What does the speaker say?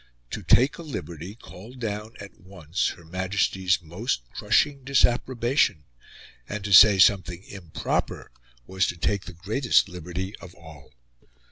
To take a liberty called down at once Her Majesty's most crushing disapprobation; and to say something improper was to take the greatest liberty of all.